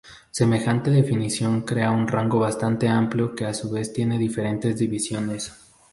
Semejante definición crea un rango bastante amplio que a su vez tiene diferentes divisiones.